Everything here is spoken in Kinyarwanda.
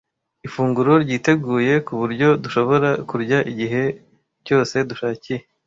Ifunguro ryiteguye, kuburyo dushobora kurya igihe cyose dushakiye.